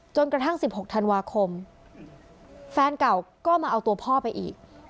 กระทั่ง๑๖ธันวาคมแฟนเก่าก็มาเอาตัวพ่อไปอีก